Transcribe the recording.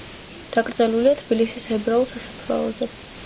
დაკრძალულია თბილისის ებრაულ სასაფლაოზე.